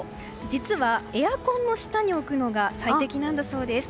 実はエアコンの下に置くのが最適だそうです。